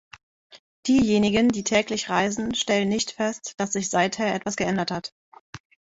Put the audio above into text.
Diejenigen, die täglich reisen, stellen nicht fest, dass sich seither etwas geändert hat.